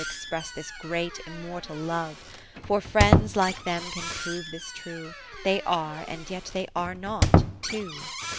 Express this great immortal Love ; For friends, like them, can prove this true. They are, and yet they are not, two.